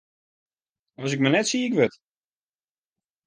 As ik mar net siik wurd!